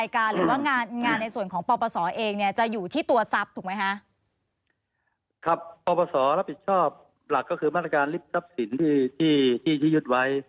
ครับปปศรับผิดชอบหลักก็คือมาตรการลิบทรัพย์สินที่ยึดไว้